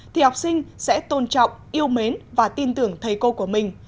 thì học sinh sẽ tôn trọng yêu mến và tin tưởng thầy cô của mình